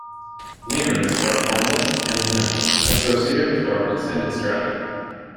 "Lemures" were formless and liminal, associated with darkness and its dread.